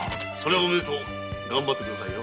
おめでとうがんばってくださいよ。